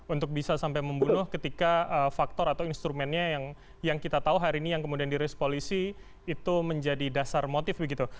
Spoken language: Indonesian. untuk bisa sampai membunuh ketika faktor atau instrumennya yang kita tahu hari ini yang kemudian diris polisi itu menjadi dasar motif begitu